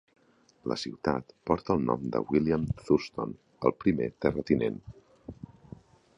La ciutat porta el nom de William Thurston, el primer terratinent.